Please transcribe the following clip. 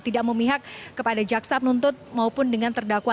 tidak memihak kepada jaksap nuntut maupun dengan terdakwa